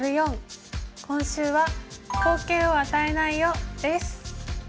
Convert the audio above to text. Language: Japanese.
今週は「好形は与えないよ」です。